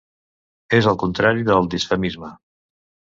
És el contrari del disfemisme.